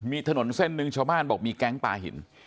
มีถนนเส้นหนึ่งชาวบ้านบอกมีแก๊งปลาหิน